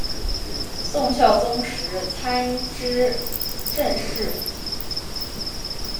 宋孝宗时参知政事。